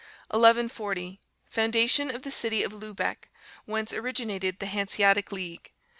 1140. Foundation of the city of Lubeck, whence originated the Hanseatic League.